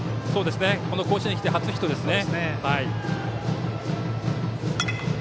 甲子園に来て初ヒットですね。